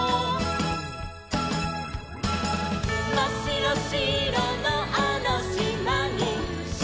「まっしろしろのあのしまに」